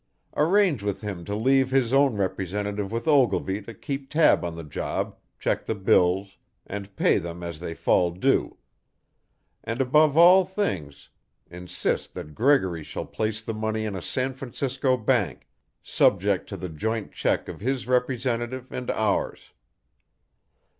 Arrange with him to leave his own representative with Ogilvy to keep tab on the job, check the bills, and pay them as they fall due; and above all things, insist that Gregory shall place the money in a San Francisco bank, subject to the joint check of his representative and ours.